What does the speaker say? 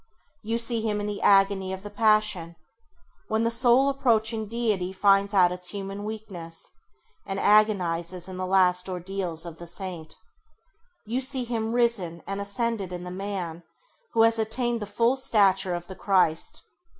You see him in the agony of the passion, when the soul approaching Deity finds out its human weakness, and agonises in the last ordeals of the Saint. You see him risen and ascended in the man who has attained the full stature of the Christ.